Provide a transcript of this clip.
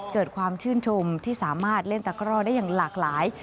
เกิดความชื่นชมที่สามารถเล่นตะกร่อได้อย่างหลากหลาย